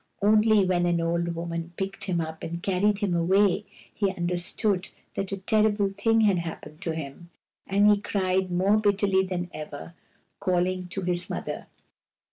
Only when an old woman picked him up and carried him away he understood that a terrible thing had happened to him, and he cried more bitterly than ever, calhng to his mother.